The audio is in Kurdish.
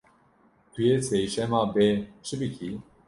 Tu yê sêşema bê çi bikî?